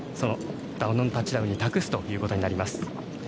ダノンタッチダウンに託すということになります。